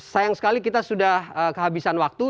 sayang sekali kita sudah kehabisan waktu